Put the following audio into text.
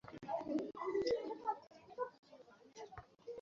কী বলছেন স্যার?